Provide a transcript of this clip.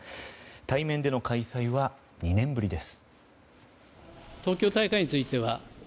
対面での開催は２年ぶりです。